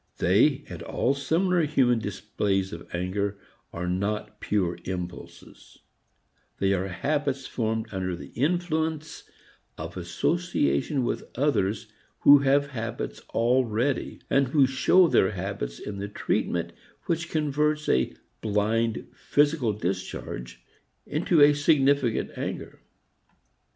They and all similar human displays of anger are not pure impulses; they are habits formed under the influence of association with others who have habits already and who show their habits in the treatment which converts a blind physical discharge into a significant anger.